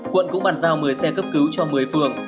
quận cũng bàn giao một mươi xe cấp cứu cho một mươi phường